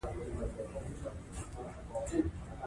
کرکټ د شوق، میني او استعداد لوبه ده.